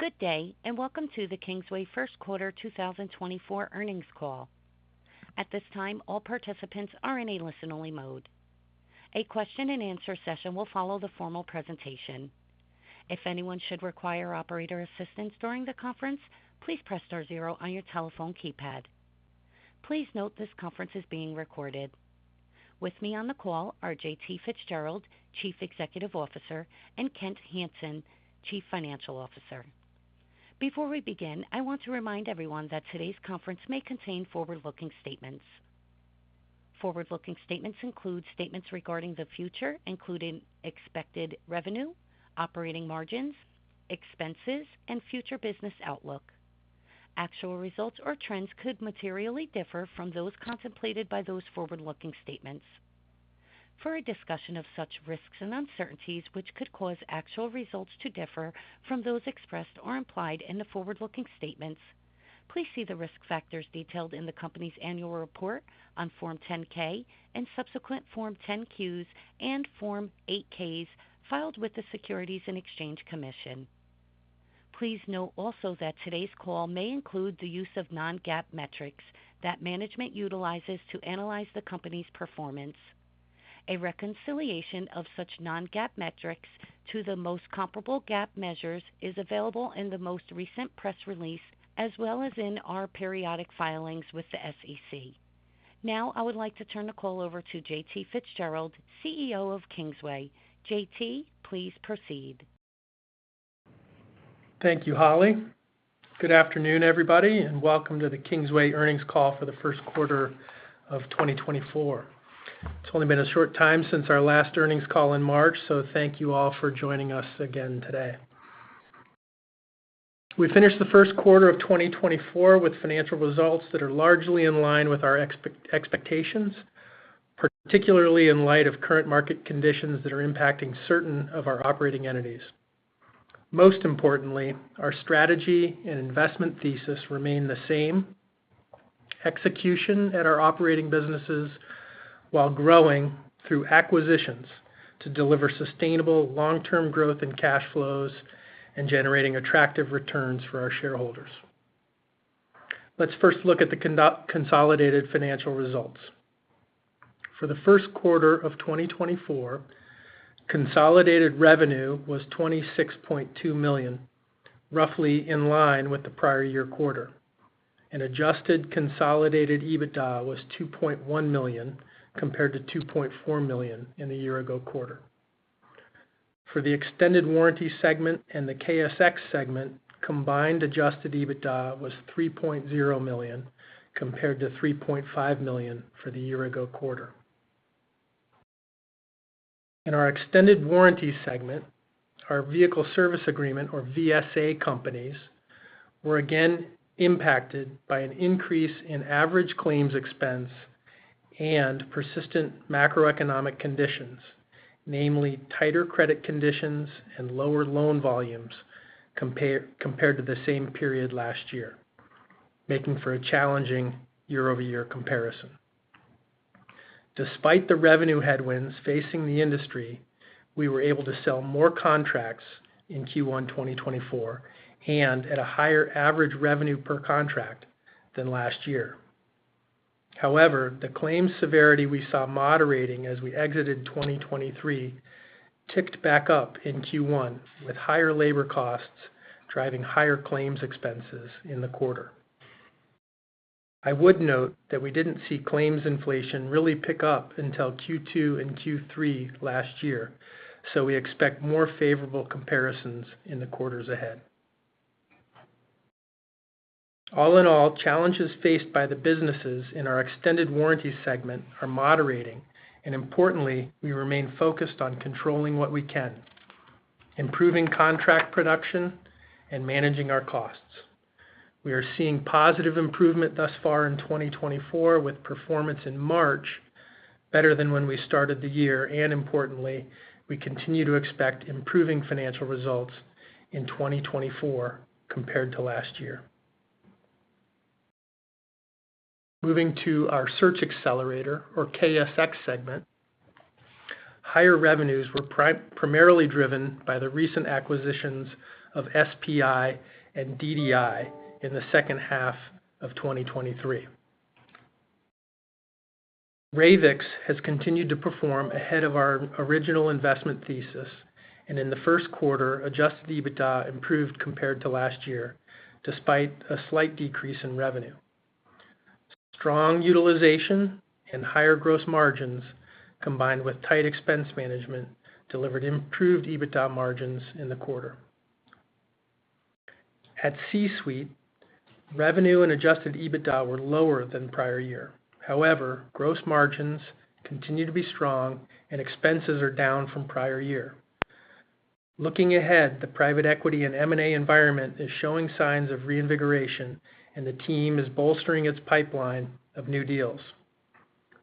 Good day and welcome to the Kingsway First Quarter 2024 earnings call. At this time, all participants are in a listen-only mode. A question-and-answer session will follow the formal presentation. If anyone should require operator assistance during the conference, please press star zero on your telephone keypad. Please note this conference is being recorded. With me on the call are J.T. Fitzgerald, Chief Executive Officer, and Kent Hansen, Chief Financial Officer. Before we begin, I want to remind everyone that today's conference may contain forward-looking statements. Forward-looking statements include statements regarding the future, including expected revenue, operating margins, expenses, and future business outlook. Actual results or trends could materially differ from those contemplated by those forward-looking statements. For a discussion of such risks and uncertainties which could cause actual results to differ from those expressed or implied in the forward-looking statements, please see the risk factors detailed in the company's annual report on Form 10-K, and subsequent Form 10-Qs, and Form 8-Ks filed with the Securities and Exchange Commission. Please note also that today's call may include the use of non-GAAP metrics that management utilizes to analyze the company's performance. A reconciliation of such non-GAAP metrics to the most comparable GAAP measures is available in the most recent press release as well as in our periodic filings with the SEC. Now I would like to turn the call over to JT Fitzgerald, CEO of Kingsway. JT, please proceed. Thank you, Holly. Good afternoon, everybody, and welcome to the Kingsway earnings call for the first quarter of 2024. It's only been a short time since our last earnings call in March, so thank you all for joining us again today. We finished the first quarter of 2024 with financial results that are largely in line with our expectations, particularly in light of current market conditions that are impacting certain of our operating entities. Most importantly, our strategy and investment thesis remain the same: execution at our operating businesses while growing through acquisitions to deliver sustainable long-term growth in cash flows and generating attractive returns for our shareholders. Let's first look at the consolidated financial results. For the first quarter of 2024, consolidated revenue was $26.2 million, roughly in line with the prior year quarter, and adjusted consolidated EBITDA was $2.1 million compared to $2.4 million in the year-ago quarter. For the extended warranty segment and the KSX segment, combined Adjusted EBITDA was $3.0 million compared to $3.5 million for the year-ago quarter. In our extended warranty segment, our vehicle service agreement, or VSA, companies were again impacted by an increase in average claims expense and persistent macroeconomic conditions, namely tighter credit conditions and lower loan volumes compared to the same period last year, making for a challenging year-over-year comparison. Despite the revenue headwinds facing the industry, we were able to sell more contracts in Q1 2024 and at a higher average revenue per contract than last year. However, the claim severity we saw moderating as we exited 2023 ticked back up in Q1, with higher labor costs driving higher claims expenses in the quarter. I would note that we didn't see claims inflation really pick up until Q2 and Q3 last year, so we expect more favorable comparisons in the quarters ahead. All in all, challenges faced by the businesses in our extended warranty segment are moderating, and importantly, we remain focused on controlling what we can, improving contract production, and managing our costs. We are seeing positive improvement thus far in 2024, with performance in March better than when we started the year, and importantly, we continue to expect improving financial results in 2024 compared to last year. Moving to our search accelerator, or KSX segment, higher revenues were primarily driven by the recent acquisitions of SPI and DDI in the second half of 2023. Ravix has continued to perform ahead of our original investment thesis, and in the first quarter, adjusted EBITDA improved compared to last year despite a slight decrease in revenue. Strong utilization and higher gross margins, combined with tight expense management, delivered improved EBITDA margins in the quarter. At C-Suite, revenue and adjusted EBITDA were lower than prior year. However, gross margins continue to be strong, and expenses are down from prior year. Looking ahead, the private equity and M&A environment is showing signs of reinvigoration, and the team is bolstering its pipeline of new deals.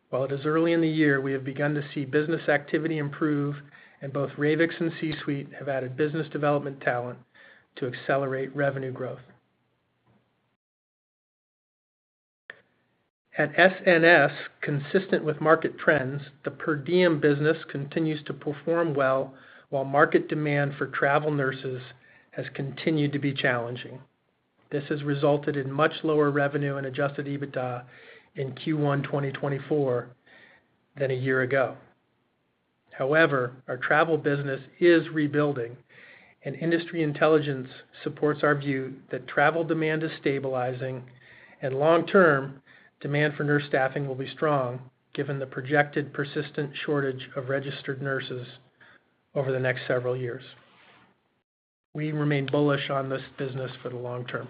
While it is early in the year, we have begun to see business activity improve, and both Ravix and C-Suite have added business development talent to accelerate revenue growth. At SNS, consistent with market trends, the per diem business continues to perform well while market demand for travel nurses has continued to be challenging. This has resulted in much lower revenue and Adjusted EBITDA in Q1 2024 than a year ago. However, our travel business is rebuilding, and industry intelligence supports our view that travel demand is stabilizing, and long-term, demand for nurse staffing will be strong given the projected persistent shortage of registered nurses over the next several years. We remain bullish on this business for the long term.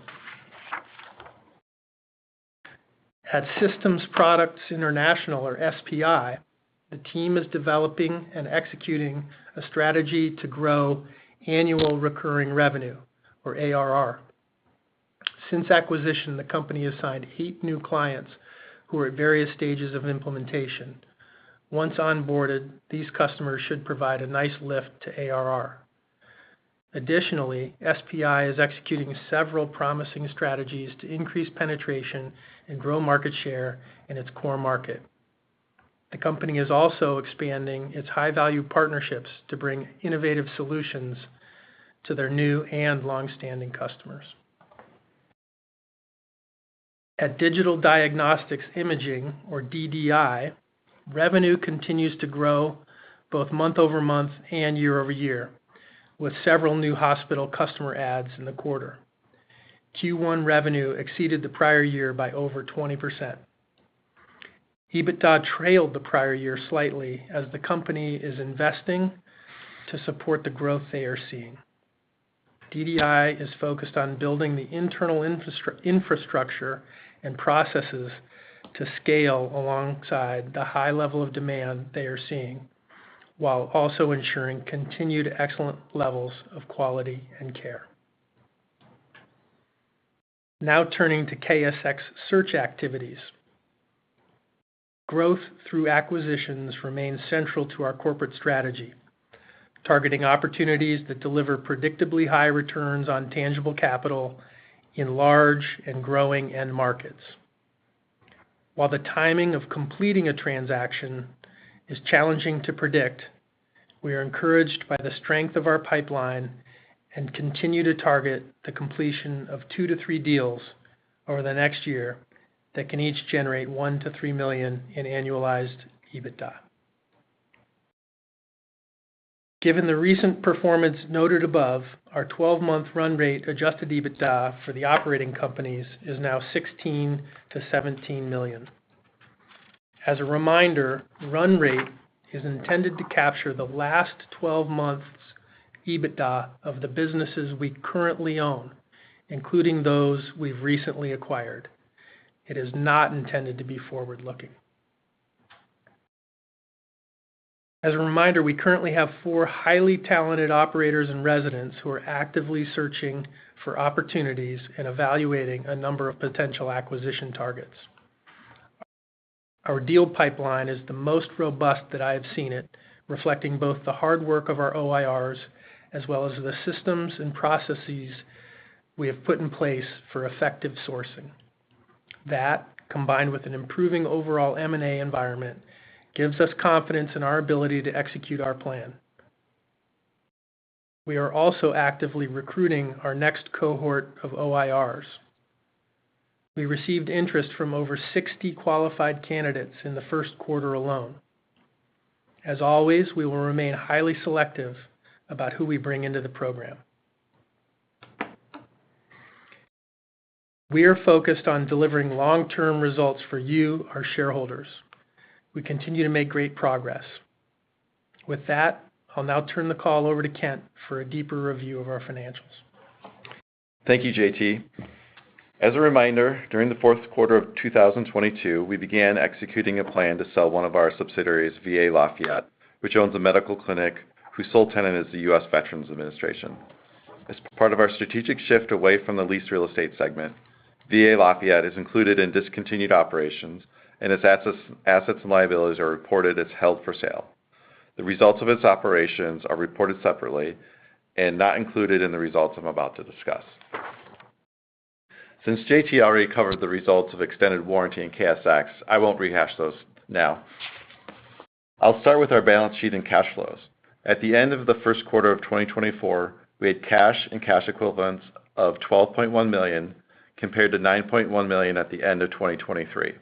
At Systems Products International, or SPI, the team is developing and executing a strategy to grow annual recurring revenue, or ARR. Since acquisition, the company has signed eight new clients who are at various stages of implementation. Once onboarded, these customers should provide a nice lift to ARR. Additionally, SPI is executing several promising strategies to increase penetration and grow market share in its core market. The company is also expanding its high-value partnerships to bring innovative solutions to their new and longstanding customers. At Digital Diagnostics Imaging, or DDI, revenue continues to grow both month-over-month and year-over-year, with several new hospital customer adds in the quarter. Q1 revenue exceeded the prior year by over 20%. EBITDA trailed the prior year slightly as the company is investing to support the growth they are seeing. DDI is focused on building the internal infrastructure and processes to scale alongside the high level of demand they are seeing while also ensuring continued excellent levels of quality and care. Now turning to KSX search activities. Growth through acquisitions remains central to our corporate strategy, targeting opportunities that deliver predictably high returns on tangible capital in large and growing end markets. While the timing of completing a transaction is challenging to predict, we are encouraged by the strength of our pipeline and continue to target the completion of 2-3 deals over the next year that can each generate $1 million-$3 million in annualized EBITDA. Given the recent performance noted above, our 12-month run rate adjusted EBITDA for the operating companies is now $16 million-$17 million. As a reminder, run rate is intended to capture the last 12 months' EBITDA of the businesses we currently own, including those we've recently acquired. It is not intended to be forward-looking. As a reminder, we currently have four highly talented Operators-in-Residence who are actively searching for opportunities and evaluating a number of potential acquisition targets. Our deal pipeline is the most robust that I have seen it, reflecting both the hard work of our OIRs as well as the systems and processes we have put in place for effective sourcing. That, combined with an improving overall M&A environment, gives us confidence in our ability to execute our plan. We are also actively recruiting our next cohort of OIRs. We received interest from over 60 qualified candidates in the first quarter alone. As always, we will remain highly selective about who we bring into the program. We are focused on delivering long-term results for you, our shareholders. We continue to make great progress. With that, I'll now turn the call over to Kent for a deeper review of our financials. Thank you, JT. As a reminder, during the fourth quarter of 2022, we began executing a plan to sell one of our subsidiaries, VA Lafayette, which owns a medical clinic whose sole tenant is the U.S. Veterans Administration. As part of our strategic shift away from the leased real estate segment, VA Lafayette is included in discontinued operations, and its assets and liabilities are reported as held for sale. The results of its operations are reported separately and not included in the results I'm about to discuss. Since JT already covered the results of extended warranty and KSX, I won't rehash those now. I'll start with our balance sheet and cash flows. At the end of the first quarter of 2024, we had cash and cash equivalents of $12.1 million compared to $9.1 million at the end of 2023.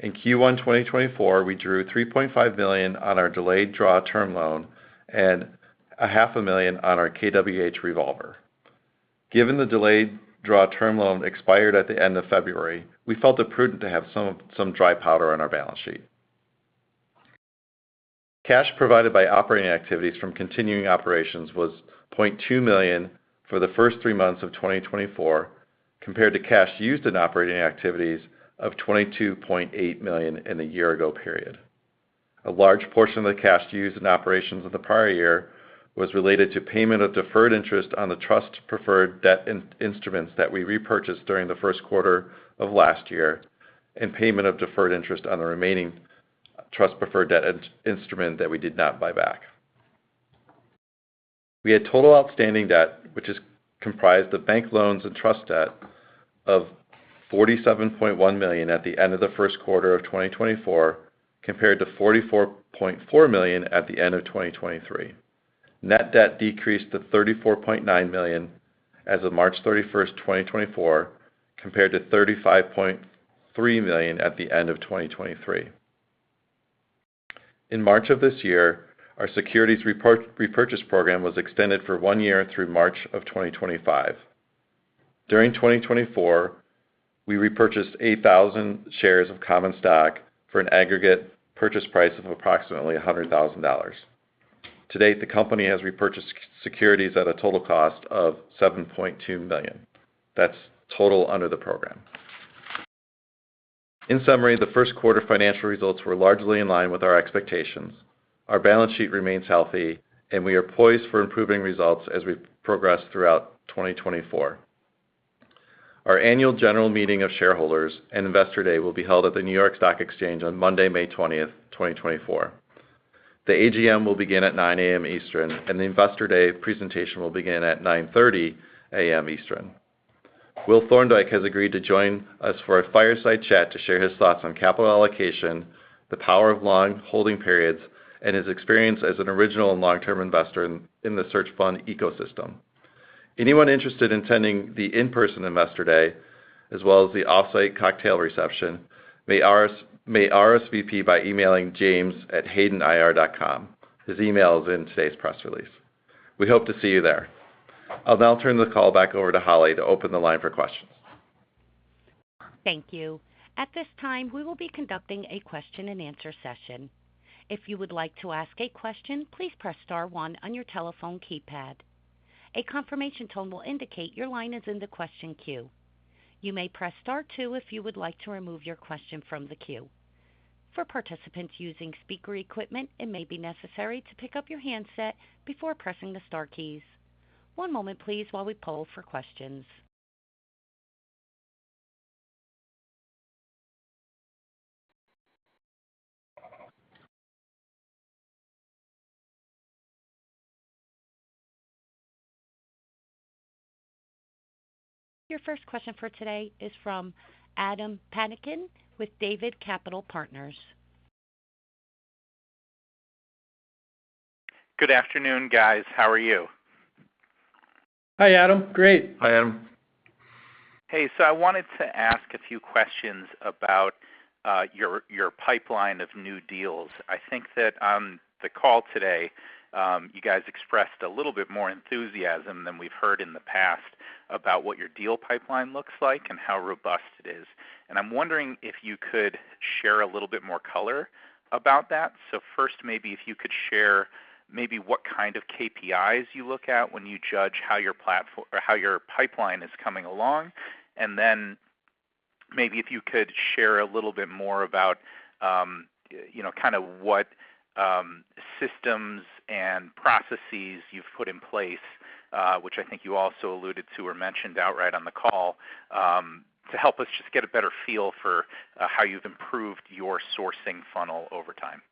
In Q1 2024, we drew $3.5 million on our delayed draw term loan and $0.5 million on our KWH revolver. Given the delayed draw term loan expired at the end of February, we felt it prudent to have some dry powder on our balance sheet. Cash provided by operating activities from continuing operations was $0.2 million for the first three months of 2024 compared to cash used in operating activities of $22.8 million in the year-ago period. A large portion of the cash used in operations of the prior year was related to payment of deferred interest on the trust-preferred debt instruments that we repurchased during the first quarter of last year and payment of deferred interest on the remaining trust-preferred debt instrument that we did not buy back. We had total outstanding debt, which comprised the bank loans and trust debt, of $47.1 million at the end of the first quarter of 2024 compared to $44.4 million at the end of 2023. Net debt decreased to $34.9 million as of March 31st, 2024, compared to $35.3 million at the end of 2023. In March of this year, our securities repurchase program was extended for one year through March of 2025. During 2024, we repurchased 8,000 shares of common stock for an aggregate purchase price of approximately $100,000. To date, the company has repurchased securities at a total cost of $7.2 million. That's total under the program. In summary, the first quarter financial results were largely in line with our expectations. Our balance sheet remains healthy, and we are poised for improving results as we progress throughout 2024. Our annual general meeting of shareholders and investor day will be held at the New York Stock Exchange on Monday, May 20th, 2024. The AGM will begin at 9:00 A.M. Eastern, and the investor day presentation will begin at 9:30 A.M. Eastern. Will Thorndike has agreed to join us for a fireside chat to share his thoughts on capital allocation, the power of long holding periods, and his experience as an original and long-term investor in the search fund ecosystem. Anyone interested in attending the in-person investor day as well as the offsite cocktail reception may RSVP by emailing james@haydenir.com. His email is in today's press release. We hope to see you there. I'll now turn the call back over to Holly to open the line for questions. Thank you. At this time, we will be conducting a question-and-answer session. If you would like to ask a question, please press star 1 on your telephone keypad. A confirmation tone will indicate your line is in the question queue. You may press star 2 if you would like to remove your question from the queue. For participants using speaker equipment, it may be necessary to pick up your handset before pressing the star keys. One moment, please, while we pull for questions. Your first question for today is from Adam Patinkin with David Capital Partners. Good afternoon, guys. How are you? Hi, Adam. Great. Hi, Adam. Hey, so I wanted to ask a few questions about your pipeline of new deals. I think that on the call today, you guys expressed a little bit more enthusiasm than we've heard in the past about what your deal pipeline looks like and how robust it is. And I'm wondering if you could share a little bit more color about that. So first, maybe if you could share maybe what kind of KPIs you look at when you judge how your pipeline is coming along, and then maybe if you could share a little bit more about kind of what systems and processes you've put in place, which I think you also alluded to or mentioned outright on the call, to help us just get a better feel for how you've improved your sourcing funnel over time.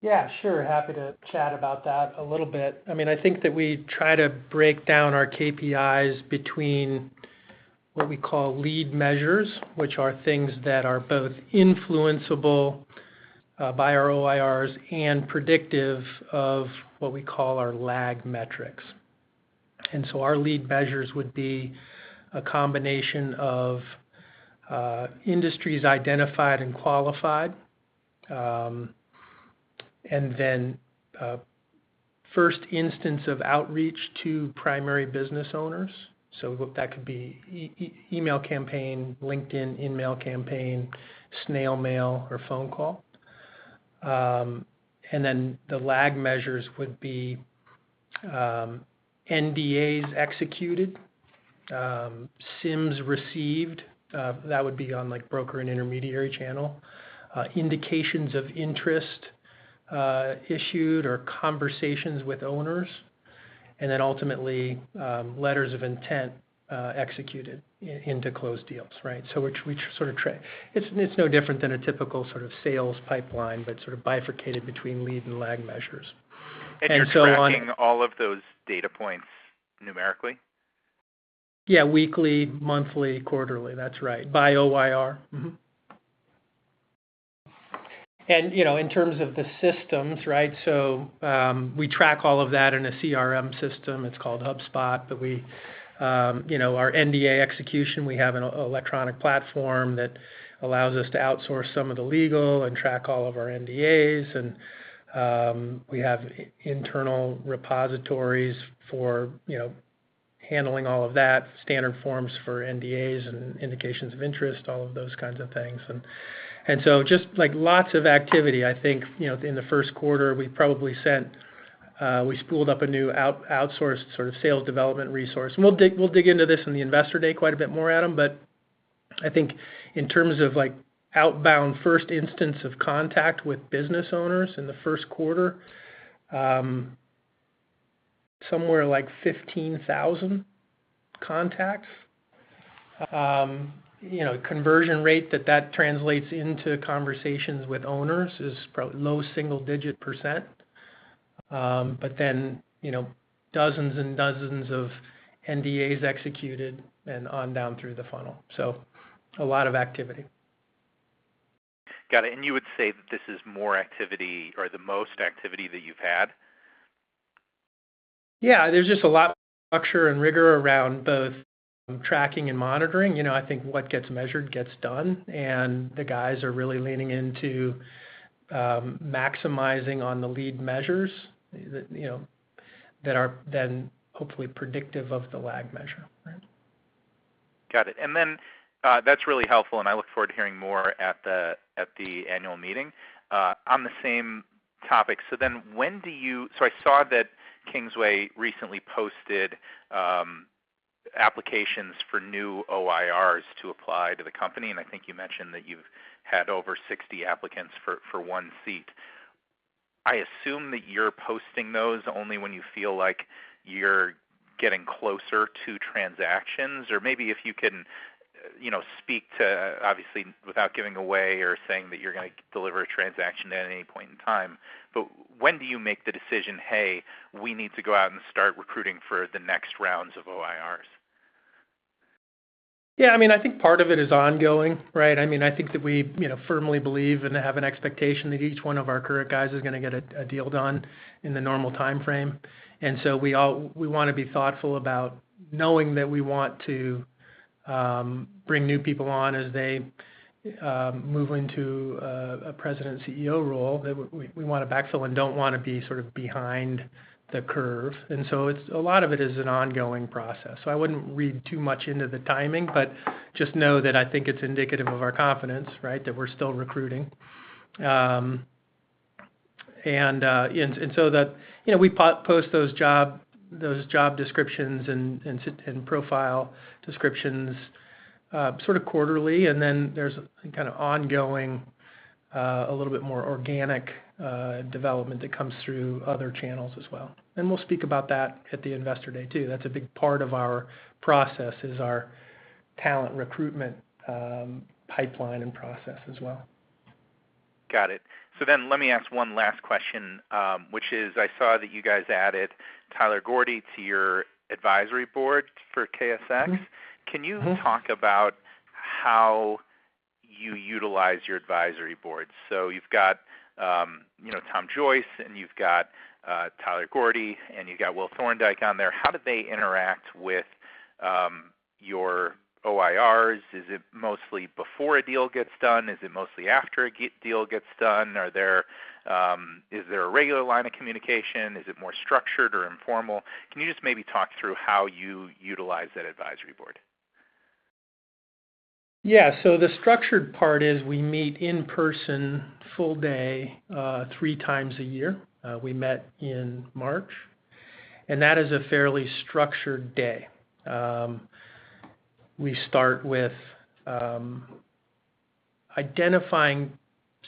Yeah, sure. Happy to chat about that a little bit. I mean, I think that we try to break down our KPIs between what we call lead measures, which are things that are both influenceable by our OIRs and predictive of what we call our lag metrics. And so our lead measures would be a combination of industries identified and qualified, and then first instance of outreach to primary business owners. So that could be email campaign, LinkedIn InMail campaign, snail mail, or phone call. And then the lag measures would be NDAs executed, CIMs received. That would be on broker and intermediary channel, indications of interest issued or conversations with owners, and then ultimately, letters of intent executed into closed deals, right? So which sort of it's no different than a typical sort of sales pipeline, but sort of bifurcated between lead and lag measures. And so on. You're tracking all of those data points numerically? Yeah, weekly, monthly, quarterly. That's right. By OIR. In terms of the systems, right? So we track all of that in a CRM system. It's called HubSpot, but our NDA execution, we have an electronic platform that allows us to outsource some of the legal and track all of our NDAs. And we have internal repositories for handling all of that, standard forms for NDAs and indications of interest, all of those kinds of things. And so just lots of activity. I think in the first quarter, we probably spooled up a new outsourced sort of sales development resource. And we'll dig into this in the Investor Day quite a bit more, Adam. But I think in terms of outbound first instance of contact with business owners in the first quarter, somewhere like 15,000 contacts. Conversion rate that that translates into conversations with owners is probably low single-digit %, but then dozens and dozens of NDAs executed and on down through the funnel. So a lot of activity. Got it. And you would say that this is more activity or the most activity that you've had? Yeah. There's just a lot of structure and rigor around both tracking and monitoring. I think what gets measured gets done. And the guys are really leaning into maximizing on the lead measures that are then hopefully predictive of the lag measure, right? Got it. And then that's really helpful, and I look forward to hearing more at the annual meeting on the same topic. So then, when do you? So, I saw that Kingsway recently posted applications for new OIRs to apply to the company. And I think you mentioned that you've had over 60 applicants for one seat. I assume that you're posting those only when you feel like you're getting closer to transactions, or maybe, if you can speak to, obviously, without giving away or saying that you're going to deliver a transaction at any point in time. But when do you make the decision, "Hey, we need to go out and start recruiting for the next rounds of OIRs"? Yeah. I mean, I think part of it is ongoing, right? I mean, I think that we firmly believe and have an expectation that each one of our current guys is going to get a deal done in the normal timeframe. And so we want to be thoughtful about knowing that we want to bring new people on as they move into a president/CEO role. We want to backfill and don't want to be sort of behind the curve. And so a lot of it is an ongoing process. So I wouldn't read too much into the timing, but just know that I think it's indicative of our confidence, right, that we're still recruiting. And so we post those job descriptions and profile descriptions sort of quarterly, and then there's kind of ongoing a little bit more organic development that comes through other channels as well. We'll speak about that at the Investor Day too. That's a big part of our process is our talent recruitment pipeline and process as well. Got it. So then let me ask one last question, which is I saw that you guys added Tyler Gordy to your advisory board for KSX. Can you talk about how you utilize your advisory board? So you've got Tom Joyce, and you've got Tyler Gordy, and you've got Will Thorndike on there. How do they interact with your OIRs? Is it mostly before a deal gets done? Is it mostly after a deal gets done? Is there a regular line of communication? Is it more structured or informal? Can you just maybe talk through how you utilize that advisory board? Yeah. So the structured part is we meet in person full day three times a year. We met in March, and that is a fairly structured day. We start with identifying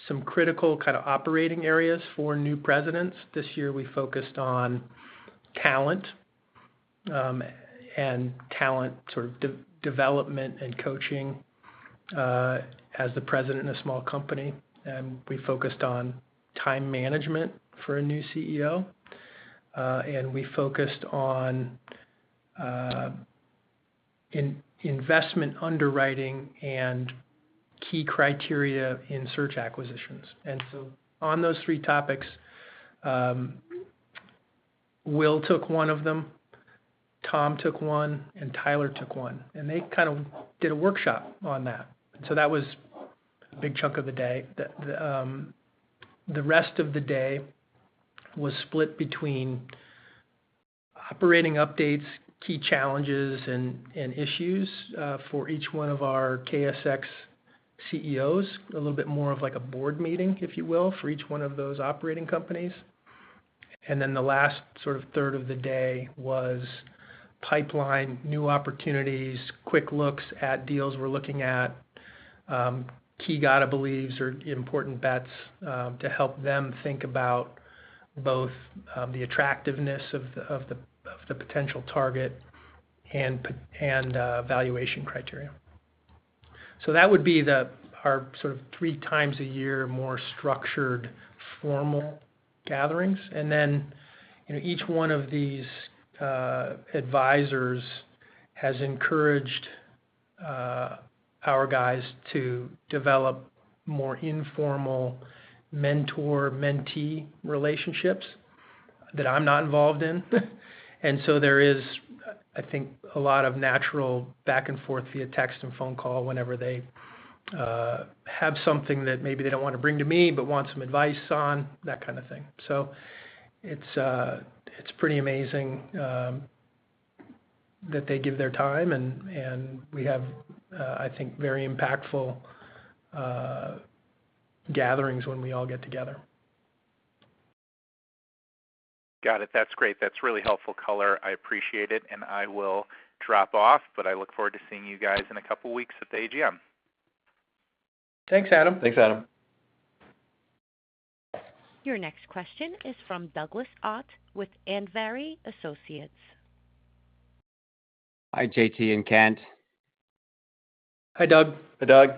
some critical kind of operating areas for new presidents. This year, we focused on talent and talent sort of development and coaching as the president of a small company. We focused on time management for a new CEO. We focused on investment underwriting and key criteria in search acquisitions. On those three topics, Will took one of them, Tom took one, and Tyler took one. They kind of did a workshop on that. That was a big chunk of the day. The rest of the day was split between operating updates, key challenges, and issues for each one of our KSX CEOs, a little bit more of like a board meeting, if you will, for each one of those operating companies. And then the last sort of third of the day was pipeline, new opportunities, quick looks at deals we're looking at, key gotta-believes or important bets to help them think about both the attractiveness of the potential target and valuation criteria. So that would be our sort of three times a year more structured formal gatherings. And then each one of these advisors has encouraged our guys to develop more informal mentor-mentee relationships that I'm not involved in. There is, I think, a lot of natural back and forth via text and phone call whenever they have something that maybe they don't want to bring to me but want some advice on, that kind of thing. It's pretty amazing that they give their time, and we have, I think, very impactful gatherings when we all get together. Got it. That's great. That's really helpful color. I appreciate it. I will drop off, but I look forward to seeing you guys in a couple of weeks at the AGM. Thanks, Adam. Thanks, Adam. Your next question is from Douglas Ott with Andvari Associates. Hi, J.T. and Kent. Hi, Doug. Hi, Doug.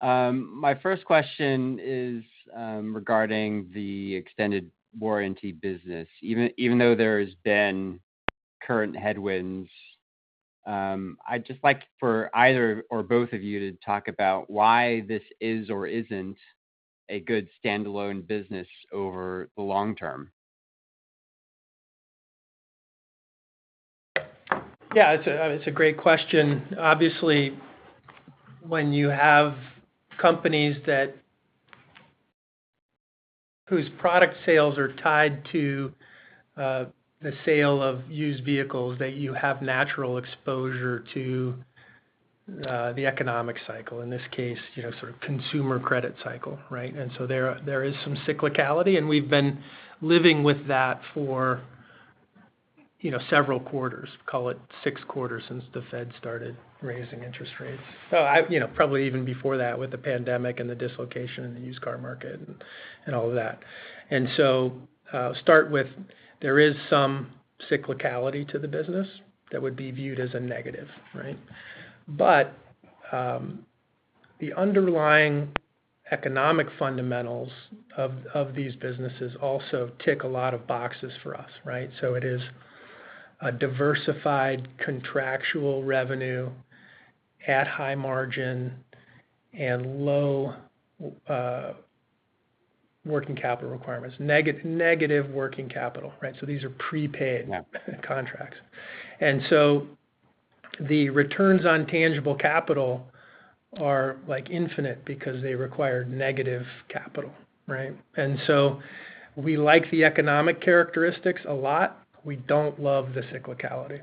My first question is regarding the extended warranty business. Even though there have been current headwinds, I'd just like for either or both of you to talk about why this is or isn't a good standalone business over the long term. Yeah. It's a great question. Obviously, when you have companies whose product sales are tied to the sale of used vehicles, that you have natural exposure to the economic cycle, in this case, sort of consumer credit cycle, right? And so there is some cyclicality, and we've been living with that for several quarters, call it six quarters since the Fed started raising interest rates, oh, probably even before that with the pandemic and the dislocation in the used car market and all of that. And so start with there is some cyclicality to the business that would be viewed as a negative, right? But the underlying economic fundamentals of these businesses also tick a lot of boxes for us, right? So it is a diversified contractual revenue at high margin and low working capital requirements, negative working capital, right? So these are prepaid contracts. And so the returns on tangible capital are infinite because they require negative capital, right? And so we like the economic characteristics a lot. We don't love the cyclicality.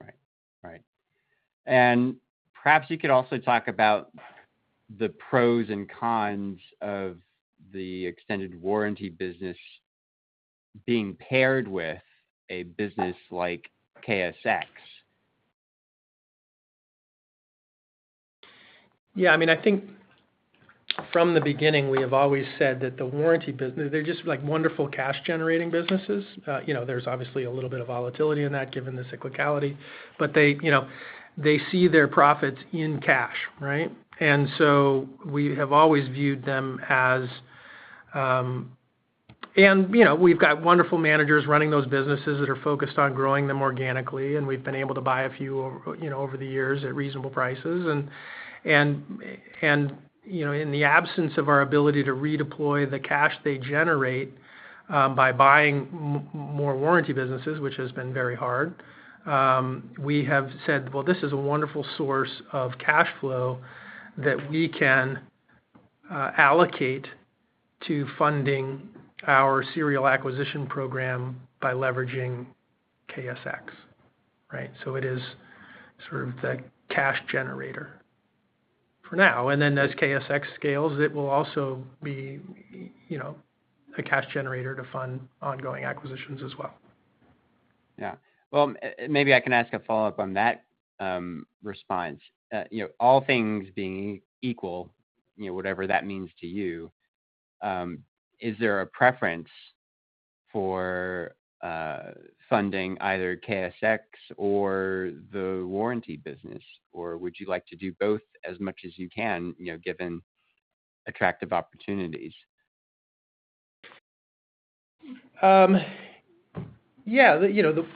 Right. Right. Perhaps you could also talk about the pros and cons of the extended warranty business being paired with a business like KSX. Yeah. I mean, I think from the beginning, we have always said that the warranty business, they're just wonderful cash-generating businesses. There's obviously a little bit of volatility in that given the cyclicality, but they see their profits in cash, right? And so we have always viewed them as and we've got wonderful managers running those businesses that are focused on growing them organically, and we've been able to buy a few over the years at reasonable prices. And in the absence of our ability to redeploy the cash they generate by buying more warranty businesses, which has been very hard, we have said, "Well, this is a wonderful source of cash flow that we can allocate to funding our serial acquisition program by leveraging KSX," right? So it is sort of the cash generator for now. And then as KSX scales, it will also be a cash generator to fund ongoing acquisitions as well. Yeah. Well, maybe I can ask a follow-up on that response. All things being equal, whatever that means to you, is there a preference for funding either KSX or the warranty business, or would you like to do both as much as you can given attractive opportunities? Yeah. The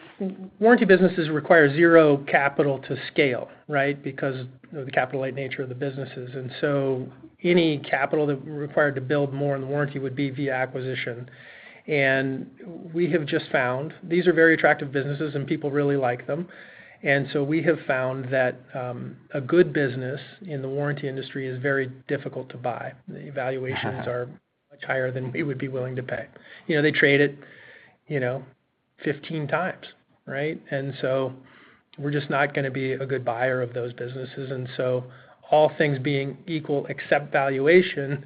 warranty businesses require zero capital to scale, right, because of the capital-light nature of the businesses. And so any capital that we required to build more in the warranty would be via acquisition. And we have just found these are very attractive businesses, and people really like them. And so we have found that a good business in the warranty industry is very difficult to buy. The valuations are much higher than we would be willing to pay. They trade at 15x, right? And so we're just not going to be a good buyer of those businesses. And so all things being equal except valuation,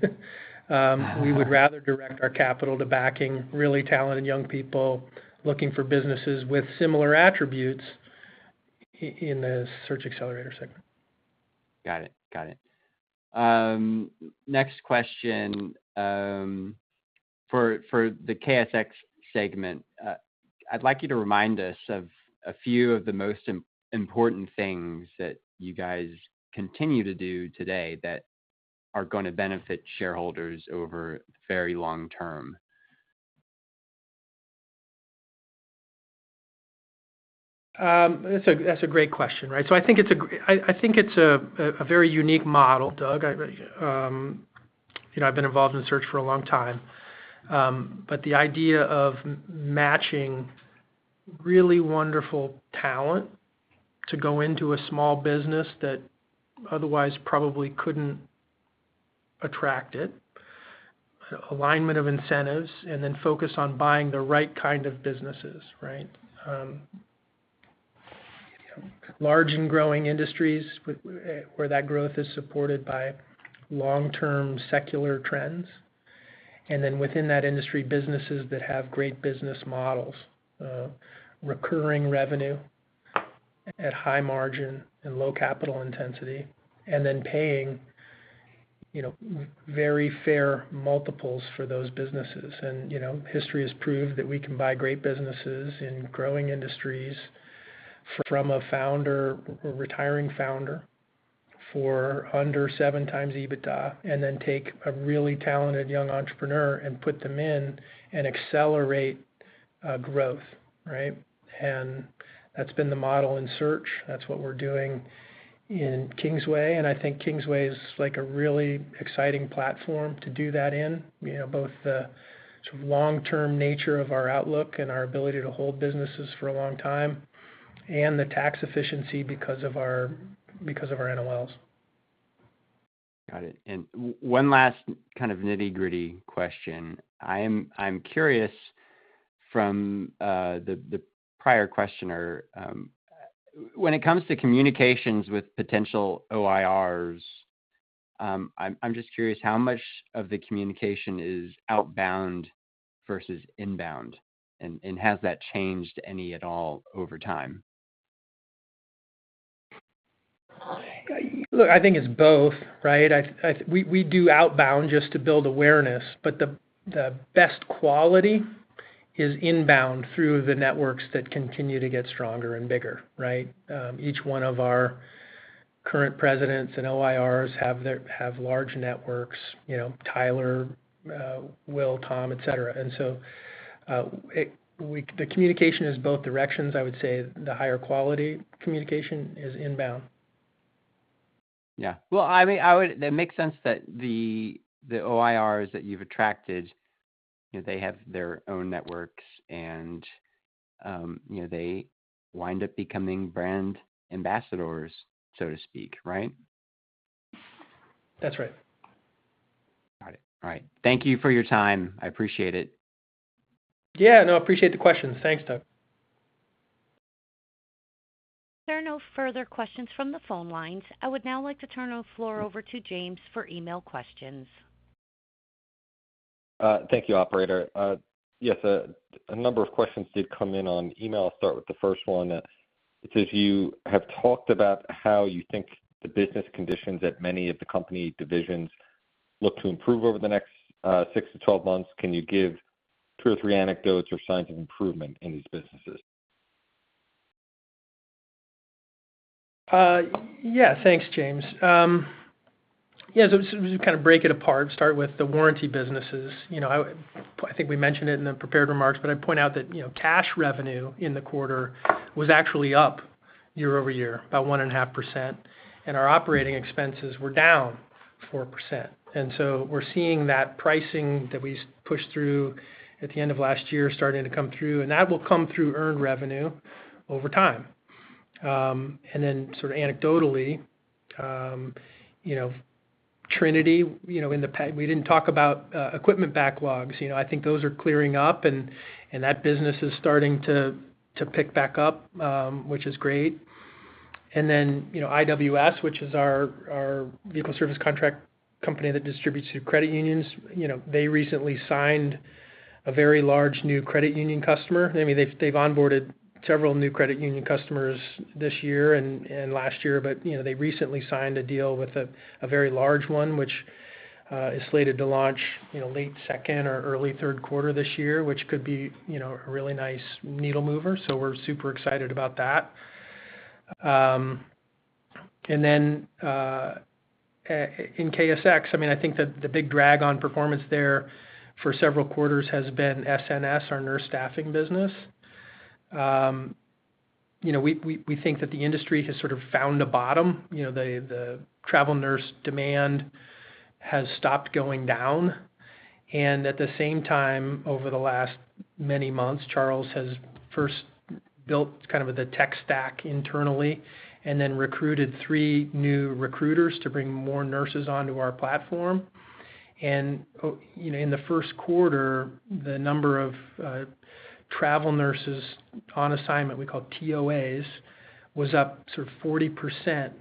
we would rather direct our capital to backing really talented young people looking for businesses with similar attributes in the search accelerator segment. Got it. Got it. Next question. For the KSX segment, I'd like you to remind us of a few of the most important things that you guys continue to do today that are going to benefit shareholders over very long term? That's a great question, right? So I think it's a I think it's a very unique model, Doug. I've been involved in search for a long time. But the idea of matching really wonderful talent to go into a small business that otherwise probably couldn't attract it, alignment of incentives, and then focus on buying the right kind of businesses, right, large and growing industries where that growth is supported by long-term secular trends. And then within that industry, businesses that have great business models, recurring revenue at high margin and low capital intensity, and then paying very fair multiples for those businesses. And history has proved that we can buy great businesses in growing industries from a founder or retiring founder for under 7x EBITDA and then take a really talented young entrepreneur and put them in and accelerate growth, right? And that's been the model in search. That's what we're doing in Kingsway. I think Kingsway is a really exciting platform to do that in, both the sort of long-term nature of our outlook and our ability to hold businesses for a long time and the tax efficiency because of our NOLs. Got it. And one last kind of nitty-gritty question. I'm curious from the prior questioner, when it comes to communications with potential OIRs, I'm just curious how much of the communication is outbound versus inbound, and has that changed any at all over time? Look, I think it's both, right? We do outbound just to build awareness, but the best quality is inbound through the networks that continue to get stronger and bigger, right? Each one of our current presidents and OIRs have large networks, Tyler, Will, Tom, etc. And so the communication is both directions. I would say the higher quality communication is inbound. Yeah. Well, I mean, it makes sense that the OIRs that you've attracted, they have their own networks, and they wind up becoming brand ambassadors, so to speak, right? That's right. Got it. All right. Thank you for your time. I appreciate it. Yeah. No, I appreciate the questions. Thanks, Doug. There are no further questions from the phone lines. I would now like to turn the floor over to James for email questions. Thank you, operator. Yes, a number of questions did come in on email. I'll start with the first one. It says, "You have talked about how you think the business conditions at many of the company divisions look to improve over the next 6-12 months. Can you give two or three anecdotes or signs of improvement in these businesses? Yeah. Thanks, James. Yeah. So just kind of break it apart. Start with the warranty businesses. I think we mentioned it in the prepared remarks, but I'd point out that cash revenue in the quarter was actually up year-over-year by 1.5%, and our operating expenses were down 4%. And so we're seeing that pricing that we pushed through at the end of last year starting to come through, and that will come through earned revenue over time. And then sort of anecdotally, Trinity, we didn't talk about equipment backlogs. I think those are clearing up, and that business is starting to pick back up, which is great. And then IWS, which is our vehicle service contract company that distributes to credit unions, they recently signed a very large new credit union customer. I mean, they've onboarded several new credit union customers this year and last year, but they recently signed a deal with a very large one, which is slated to launch late second or early third quarter this year, which could be a really nice needle mover. We're super excited about that. In KSX, I mean, I think that the big drag on performance there for several quarters has been SNS, our nurse staffing business. We think that the industry has sort of found a bottom. The travel nurse demand has stopped going down. At the same time, over the last many months, Charles has first built kind of the tech stack internally and then recruited three new recruiters to bring more nurses onto our platform. In the first quarter, the number of travel nurses on assignment, we call TOAs, was up sort of 40%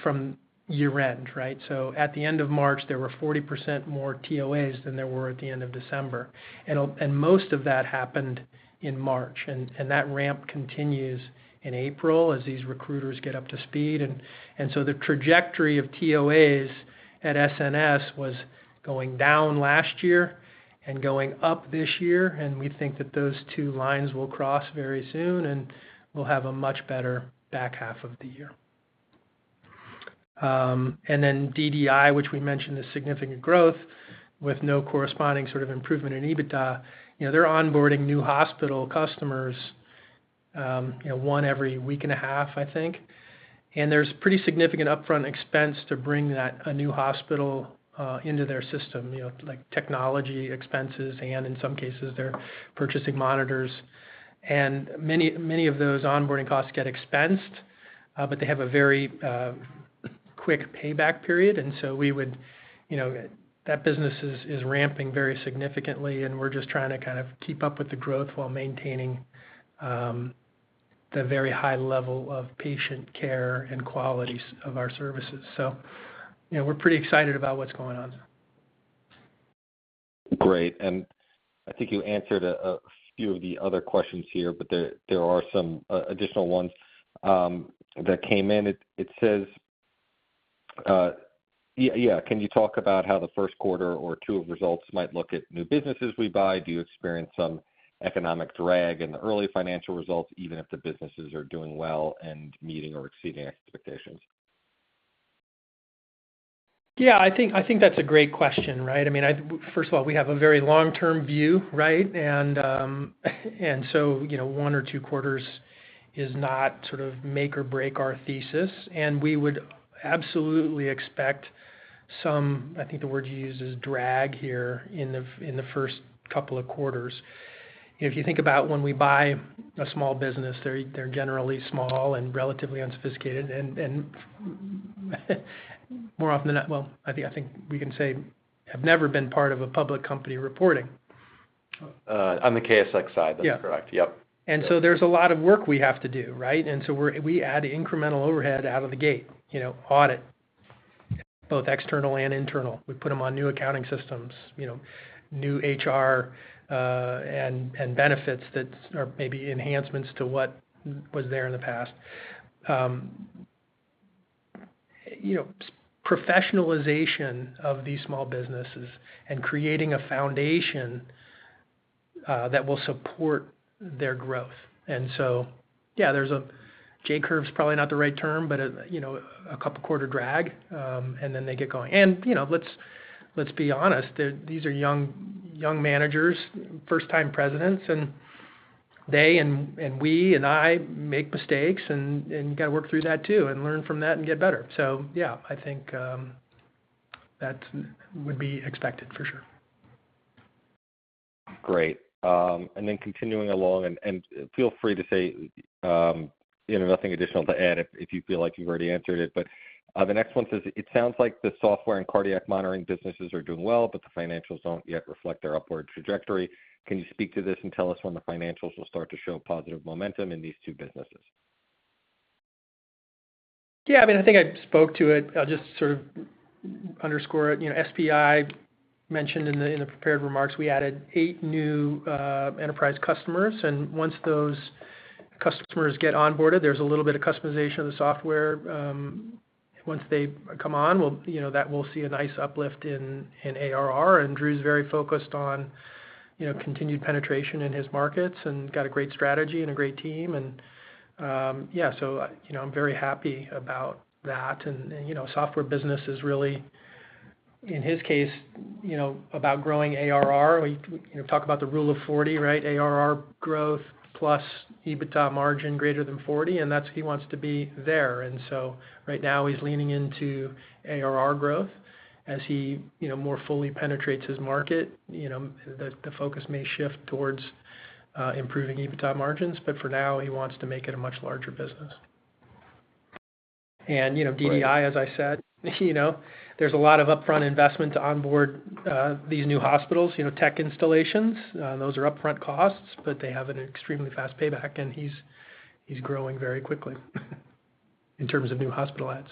from year-end, right? So at the end of March, there were 40% more TOAs than there were at the end of December. And most of that happened in March. And that ramp continues in April as these recruiters get up to speed. And so the trajectory of TOAs at SNS was going down last year and going up this year. And we think that those two lines will cross very soon, and we'll have a much better back half of the year. And then DDI, which we mentioned, is significant growth with no corresponding sort of improvement in EBITDA. They're onboarding new hospital customers, one every week and a half, I think. There's pretty significant upfront expense to bring a new hospital into their system, like technology expenses, and in some cases, they're purchasing monitors. Many of those onboarding costs get expensed, but they have a very quick payback period. We would that business is ramping very significantly, and we're just trying to kind of keep up with the growth while maintaining the very high level of patient care and qualities of our services. We're pretty excited about what's going on. Great. I think you answered a few of the other questions here, but there are some additional ones that came in. It says, "Yeah. Can you talk about how the first quarter or two of results might look at new businesses we buy? Do you experience some economic drag in the early financial results, even if the businesses are doing well and meeting or exceeding expectations? Yeah. I think that's a great question, right? I mean, first of all, we have a very long-term view, right? And so one or two quarters is not sort of make or break our thesis. And we would absolutely expect some I think the word you used is drag here in the first couple of quarters. If you think about when we buy a small business, they're generally small and relatively unsophisticated. And more often than well, I think we can say have never been part of a public company reporting. On the KSX side, that's correct. Yep. Yeah. And so there's a lot of work we have to do, right? And so we add incremental overhead out of the gate, audit, both external and internal. We put them on new accounting systems, new HR, and benefits that are maybe enhancements to what was there in the past, professionalization of these small businesses, and creating a foundation that will support their growth. And so yeah, there's a J-curve is probably not the right term, but a couple-quarter drag, and then they get going. And let's be honest, these are young managers, first-time presidents. And they and we and I make mistakes, and you got to work through that too and learn from that and get better. So yeah, I think that would be expected for sure. Great. And then continuing along, and feel free to say nothing additional to add if you feel like you've already answered it. But the next one says, "It sounds like the software and cardiac monitoring businesses are doing well, but the financials don't yet reflect their upward trajectory. Can you speak to this and tell us when the financials will start to show positive momentum in these two businesses? Yeah. I mean, I think I spoke to it. I'll just sort of underscore it. SPI mentioned in the prepared remarks, we added 8 new enterprise customers. And once those customers get onboarded, there's a little bit of customization of the software. Once they come on, that will see a nice uplift in ARR. And Drew's very focused on continued penetration in his markets and got a great strategy and a great team. And yeah, so I'm very happy about that. And software business is really, in his case, about growing ARR. We talk about the Rule of 40, right? ARR growth plus EBITDA margin greater than 40, and that's what he wants to be there. And so right now, he's leaning into ARR growth. As he more fully penetrates his market, the focus may shift towards improving EBITDA margins. But for now, he wants to make it a much larger business. DDI, as I said, there's a lot of upfront investment to onboard these new hospitals, tech installations. Those are upfront costs, but they have an extremely fast payback. He's growing very quickly in terms of new hospital adds.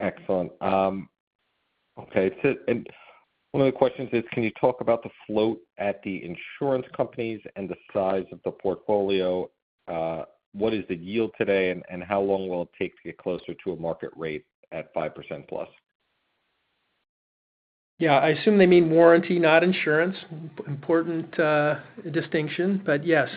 Excellent. Okay. One of the questions is, can you talk about the float at the insurance companies and the size of the portfolio? What is the yield today, and how long will it take to get closer to a market rate at 5%+? Yeah. I assume they mean warranty, not insurance. Important distinction. But yes.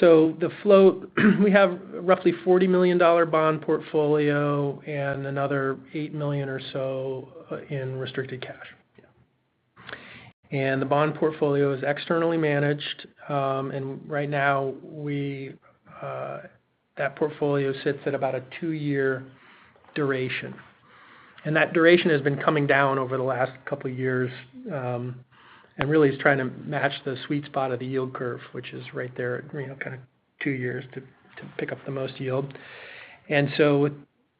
So the float, we have roughly a $40 million bond portfolio and another $8 million or so in restricted cash. Yeah. And the bond portfolio is externally managed. And right now, that portfolio sits at about a 2-year duration. And that duration has been coming down over the last couple of years and really is trying to match the sweet spot of the yield curve, which is right there at kind of 2 years to pick up the most yield. And so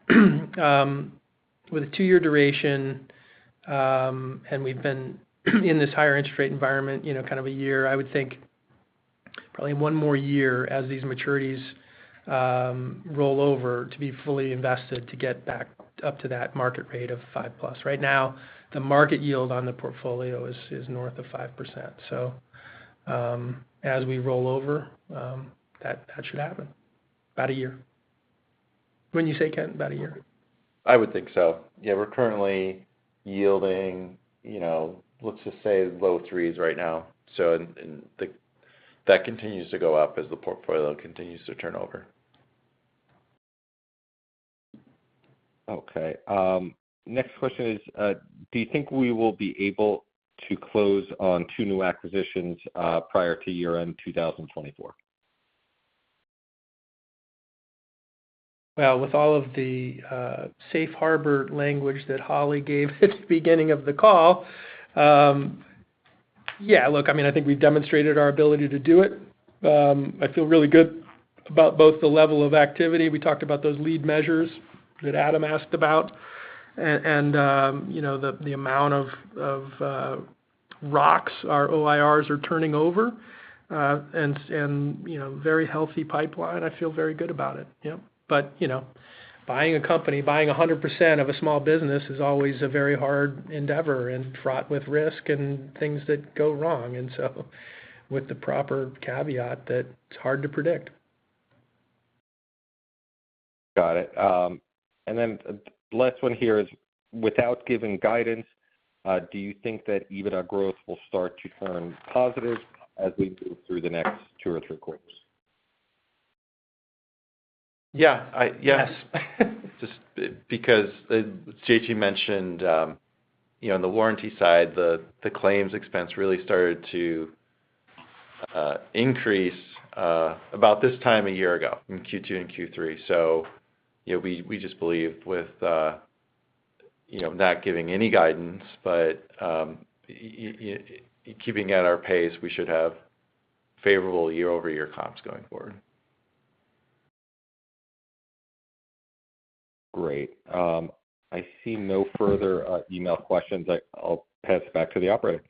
with a 2-year duration, and we've been in this higher interest rate environment kind of a year, I would think probably 1 more year as these maturities roll over to be fully invested to get back up to that market rate of 5+. Right now, the market yield on the portfolio is north of 5%. As we roll over, that should happen about a year. When you say, Kent, about a year? I would think so. Yeah. We're currently yielding, let's just say, low threes right now. So that continues to go up as the portfolio continues to turn over. Okay. Next question is, do you think we will be able to close on two new acquisitions prior to year-end 2024? Well, with all of the safe harbor language that Holly gave at the beginning of the call, yeah, look, I mean, I think we've demonstrated our ability to do it. I feel really good about both the level of activity. We talked about those lead measures that Adam asked about and the amount of rocks our OIRs are turning over and very healthy pipeline. I feel very good about it. Yep. But buying a company, buying 100% of a small business is always a very hard endeavor and fraught with risk and things that go wrong, and so with the proper caveat that it's hard to predict. Got it. And then the last one here is, without giving guidance, do you think that EBITDA growth will start to turn positive as we move through the next two or three quarters? Yeah. Yes. Just because JT mentioned on the warranty side, the claims expense really started to increase about this time a year ago in Q2 and Q3. So we just believe with not giving any guidance, but keeping at our pace, we should have favorable year-over-year comps going forward. Great. I see no further email questions. I'll pass it back to the operator.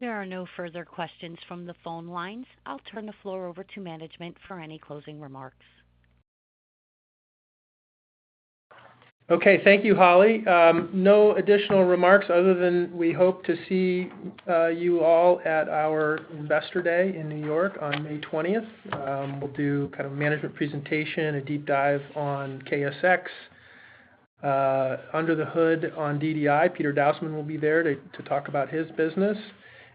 There are no further questions from the phone lines. I'll turn the floor over to management for any closing remarks. Okay. Thank you, Holly. No additional remarks other than we hope to see you all at our Investor Day in New York on May 20th. We'll do kind of a management presentation, a deep dive on KSX. Under the hood on DDI, Peter Dousman will be there to talk about his business,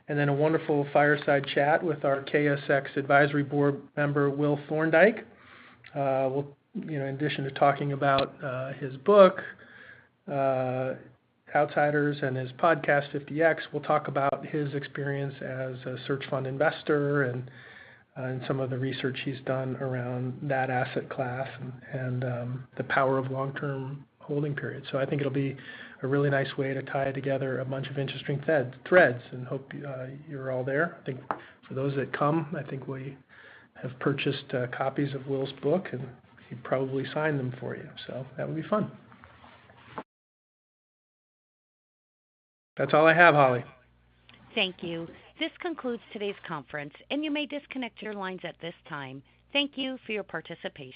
and then a wonderful fireside chat with our KSX advisory board member, Will Thorndike. In addition to talking about his book, Outsiders, and his podcast, 50X, we'll talk about his experience as a search fund investor and some of the research he's done around that asset class and the power of long-term holding periods. So I think it'll be a really nice way to tie together a bunch of interesting threads and hope you're all there. I think for those that come, I think we have purchased copies of Will's book, and he probably signed them for you. That would be fun. That's all I have, Holly. Thank you. This concludes today's conference, and you may disconnect your lines at this time. Thank you for your participation.